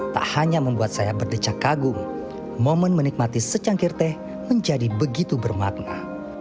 tak hanya membuat saya berdecak kagum momen menikmati secangkir teh menjadi begitu bermakna